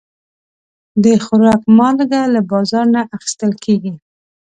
د خوراک مالګه له بازار نه اخیستل کېږي.